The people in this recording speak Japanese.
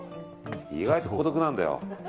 意外と孤独なんだよ。